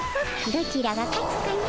どちらが勝つかの。